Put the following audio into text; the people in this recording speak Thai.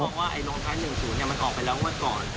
พี่บอกว่าไอ้ลงท้ายหนึ่งศูนย์เนี่ยมันออกไปแล้วเมื่อก่อน